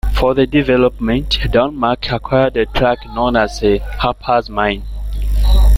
For the development, Don-Mark acquired a tract known as Harper's Mine.